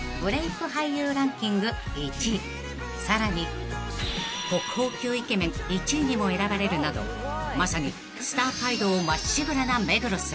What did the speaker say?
［さらに国宝級イケメン１位にも選ばれるなどまさにスター街道をまっしぐらな目黒さん］